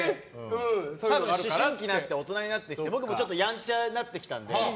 思春期になって大人になって僕もヤンチャになってきたので。